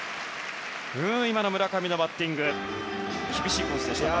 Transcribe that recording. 今の村上のバッティング厳しいコースでしたかね。